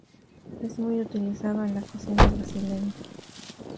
Es muy utilizado en la cocina brasileña.